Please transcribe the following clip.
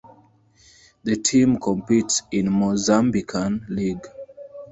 The team competes in the Mozambican League.